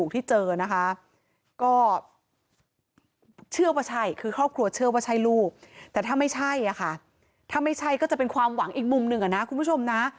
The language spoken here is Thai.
ถ้าเจอนะคะถ้าไม่ใช่ก็จะเป็นความหวังอีกมุมหนึ่งนะคุณผู้ชมนะ